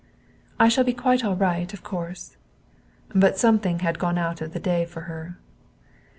"I shall be quite all right, of course." But something had gone out of the day for her.